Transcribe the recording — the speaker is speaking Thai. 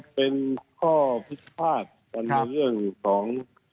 อ๋อเป็นข้อพิษภาษณ์กันในเรื่องของ